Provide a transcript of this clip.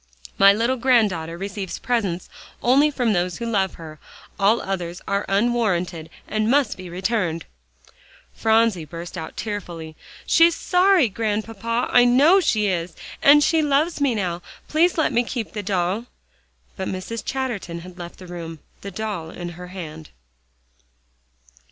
"My little granddaughter receives presents only from those who love her. All others are unwarranted, and must be returned." Phronsie burst out tearfully, "She's sorry, Grandpapa, I know she is, and she loves me now. Please let me keep the doll." But Mrs. Chatterton had left the room, the doll in her hand.